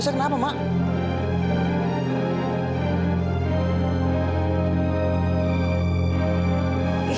mereka menyebelah baik baik